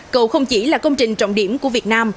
cầu không chỉ là công trình trọng điểm của việt nam